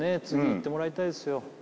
次いってもらいたいですよ